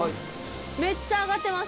めっちゃ上がってます。